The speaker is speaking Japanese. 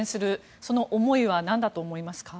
その思いはなんだと思いますか？